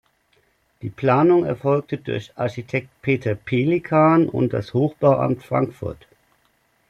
Die Planung erfolgte durch Architekt Peter Pelikan und das Hochbauamt Frankfurt.